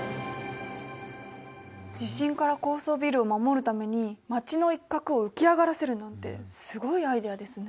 地震から高層ビルを守るために街の一角を浮き上がらせるなんてすごいアイデアですね。